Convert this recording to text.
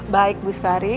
baik bu sari